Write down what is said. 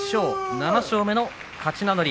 ７勝目の勝ち名乗り。